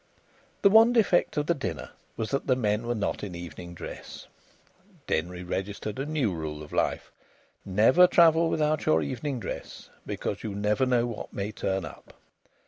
The one defect of the dinner was that the men were not in evening dress. (Denry registered a new rule of life: Never travel without your evening dress, because you never know what may turn up.)